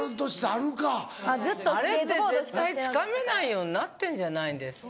あれって絶対つかめないようになってんじゃないんですか？